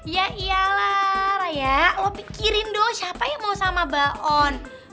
ya iyalah raya lo pikirin dong siapa yang mau sama baon